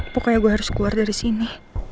pokoknya gue harus keluar dari sini